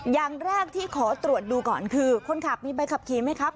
อย่างแรกที่ขอตรวจดูก่อนคือคนขับมีใบขับขี่ไหมครับ